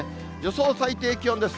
予想最低気温です。